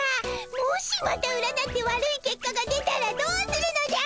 もしまた占って悪い結果が出たらどうするのじゃ！